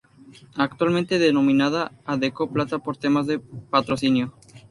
Actualmente denominada Adecco Plata por temas de patrocinio.